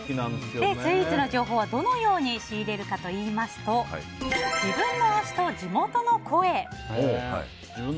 スイーツの情報は、どのように仕入れるかといいますと自分の足と地元の声。